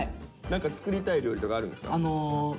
何か作りたい料理とかあるんですか？